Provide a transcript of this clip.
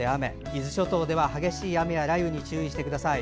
伊豆諸島では激しい雨や落雷に注意してください。